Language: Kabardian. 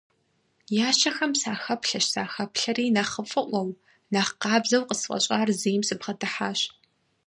Ящэхэм сахэплъэщ-сахэплъэри нэхъыфӀыӀуэу, нэхъ къабзэу къысфӀэщӀар зейм сыбгъэдыхьащ.